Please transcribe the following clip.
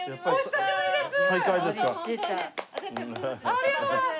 ありがとうございます。